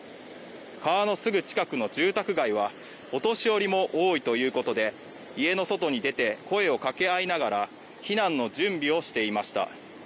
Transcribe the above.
川のすぐ近くの住宅街はお年寄りも多いということで家の外に出て声を掛け合いながら避難の準備をしていました